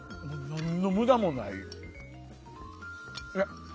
何の無駄もない。